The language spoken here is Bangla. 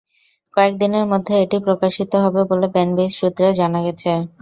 কয়েক দিনের মধ্যে এটি প্রকাশিত হবে বলে ব্যানবেইস সূত্রে জানা গেছে।